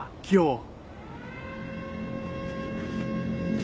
今日。